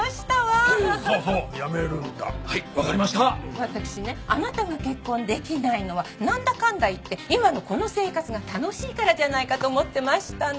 わたくしねあなたが結婚出来ないのはなんだかんだ言って今のこの生活が楽しいからじゃないかと思ってましたの。